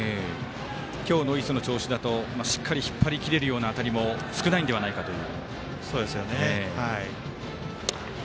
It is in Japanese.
今日の磯の調子だとしっかり引っ張れるような感じも少ないのではないかという。